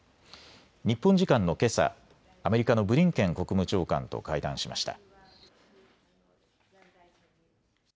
日本時間のけさ、アメリカのブリンケン国務長官と会談しました。